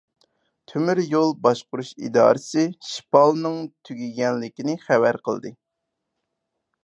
تۆمۈر يول باشقۇرۇش ئىدارىسى شىپالنىڭ تۈگىگەنلىكىنى خەۋەر قىلدى.